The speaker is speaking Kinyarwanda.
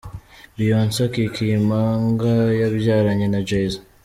Beyonce akikiye impanga yabyaranye na Jay Z.